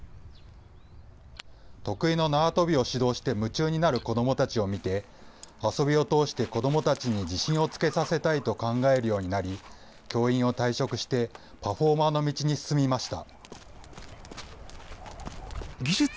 得意の縄跳びを指導して夢中になる子どもたちを見て、遊びを通して子どもたちに自信をつけさせたいと考えるようになり、教員を退職して、パフォーマーの道に進みました。